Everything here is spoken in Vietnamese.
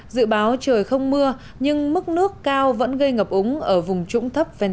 dự báo trời không mưa nhưng mức nước cao vẫn gây ngập úng ở vùng trũng thấp ven sông